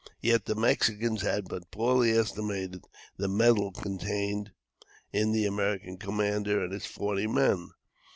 Yet the Mexicans had but poorly estimated the mettle contained in the American commander and his forty men.